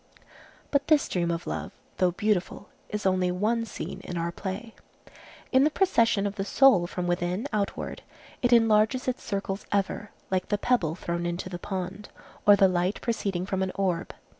But this dream of love, though beautiful, is only one scene in our play. In the procession of the soul from within outward, it enlarges its circles ever, like the pebble thrown into the pond, or the light proceeding from an orb.